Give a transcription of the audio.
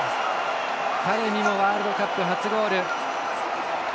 タレミもワールドカップ初ゴール。